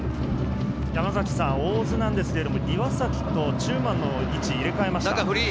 大津ですが、岩崎と中馬の位置を入れ替えました。